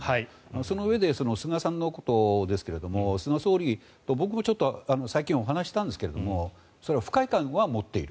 そのうえで菅さんのことですが菅総理僕も最近お話ししたんですがそれは不快感は持っている。